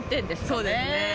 そうですね。